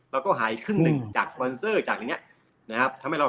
เราก็หายครึ่งหนึ่งจากสปอนเซอร์จากอย่างเงี้ยนะครับทำให้เรา